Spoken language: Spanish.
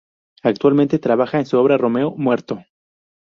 Actualmente trabaja en su obra "Romeo Muerto".